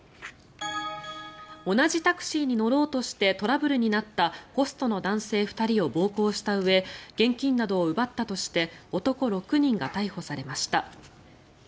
同じタクシーに乗ろうとしてトラブルになったホストの男性２人を暴行したうえ現金などを奪ったとして男６人が逮捕されました。